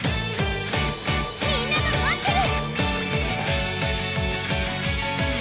みんなが待ってる！